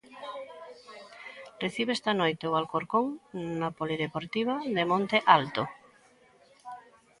Recibe esta noite o Alcorcón na polideportiva de Monte Alto.